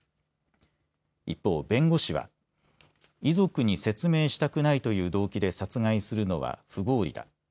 一方、弁護士は遺族に説明したくないという動機で殺害するのは不合理だ。